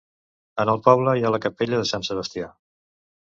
En el poble hi ha la capella de Sant Sebastià.